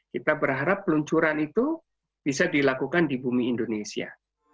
kita berharap peluncuran itu bisa dilakukan di bumi indonesia